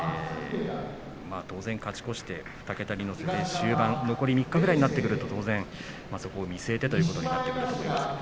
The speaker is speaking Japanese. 当然、勝ち越して２桁に乗せて終盤残り３日ぐらい、当然そこを見据えてということになってくると思います。